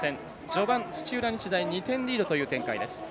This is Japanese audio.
序盤、土浦日大２点リードという展開です。